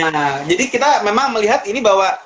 nah jadi kita memang melihat ini bahwa